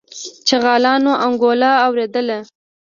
شغالانو انګولا واورېدله.